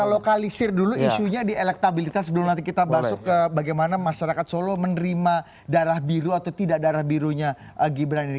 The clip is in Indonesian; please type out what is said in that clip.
kita lokalisir dulu isunya di elektabilitas sebelum nanti kita masuk ke bagaimana masyarakat solo menerima darah biru atau tidak darah birunya gibran ini